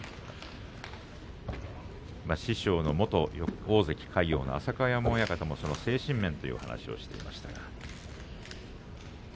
師匠の元大関魁皇の浅香山親方も精神面の話をしていました。